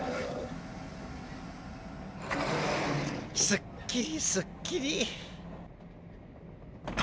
・すっきりすっきり！